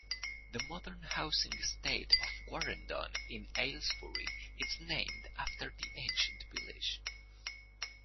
The modern housing estate of Quarrendon in Aylesbury is named after the ancient village.